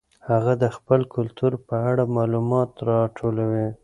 هغه د خپل کلتور په اړه معلومات راټولوي.